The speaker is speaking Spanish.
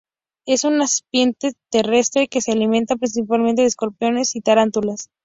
Es una serpiente terrestre que se alimenta principalmente de escorpiones y tarántulas.